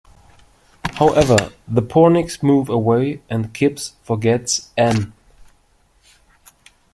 However, the Pornicks move away and Kipps forgets Ann.